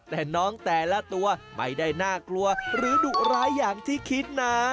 แต่น้องแต่ละตัวไม่ได้น่ากลัวหรือดุร้ายอย่างที่คิดนะ